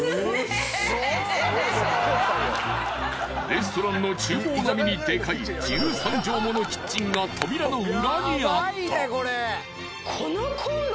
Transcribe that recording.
［レストランの厨房並みにでかい１３畳ものキッチンが扉の裏にあった］